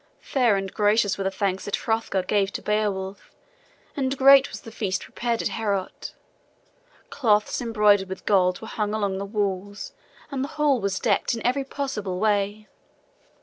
Fair and gracious were the thanks that Hrothgar gave to Beowulf, and great was the feast prepared in Heorot. Cloths embroidered with gold were hung along the walls and the hall was decked in every possible way.